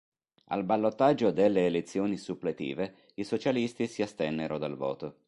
Al ballottaggio delle elezioni suppletive i socialisti si astennero dal voto.